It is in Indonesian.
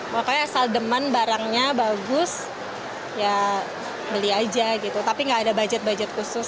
pokoknya asal deman barangnya bagus ya beli aja gitu tapi nggak ada budget budget khusus